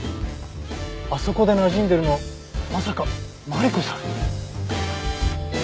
あそこでなじんでるのまさかマリコさん？